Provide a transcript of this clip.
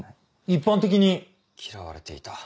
一般的に！嫌われていた。